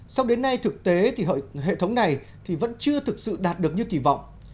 xong đến nay thực tế thì hệ thống này thì vẫn chưa thực sự đạt được như kỳ vọng